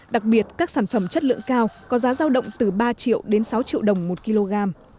đặc biệt các sản phẩm chất lượng cao có giá giao động từ ba triệu đến sáu triệu đồng một kg